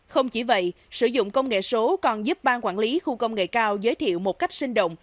không chỉ vậy sử dụng công nghệ số còn giúp bang quản lý khu công nghệ cao giới thiệu một cách sinh động